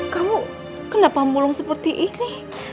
kamu kenapa mulung seperti ini